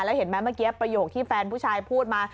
แล้วเห็นไหมเมื่อกี้ประโยคที่แฟนผู้ชายพูดมา